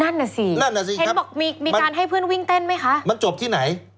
นั่นน่ะสิครับมีการให้เพื่อนวิ่งเต้นไหมคะมันจบที่ไหน